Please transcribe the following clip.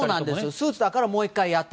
スーツだからもう１回やった。